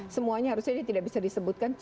semuanya harusnya ini tidak bisa disebutkan